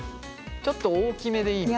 ちょっと大きめでいいみたい。